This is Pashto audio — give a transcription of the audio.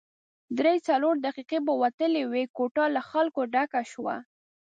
درې څلور دقیقې به وتلې وې، کوټه له خلکو ډکه شوه.